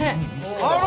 あら！